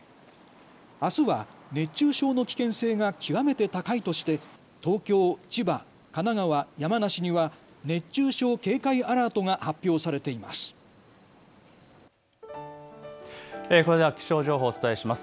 あすは熱中症の危険性が極めて高いとして東京、千葉、神奈川、山梨には熱中症警戒アラートが発表されています。